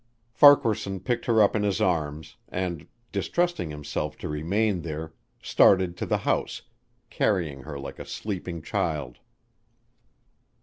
Farquaharson picked her up in his arms, and, distrusting himself to remain there, started to the house, carrying her like a sleeping child.